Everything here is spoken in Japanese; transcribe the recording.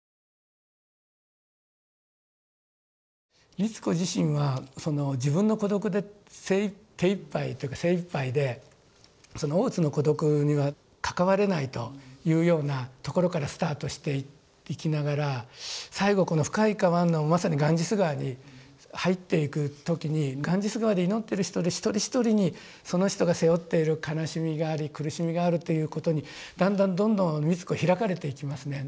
美津子自身はその自分の孤独で手いっぱいというか精いっぱいでその大津の孤独には関われないというようなところからスタートしていきながら最後この「深い河」のまさにガンジス河に入っていく時にガンジス河で祈ってる人一人一人にその人が背負っている悲しみがあり苦しみがあるということにだんだんどんどん美津子開かれていきますね。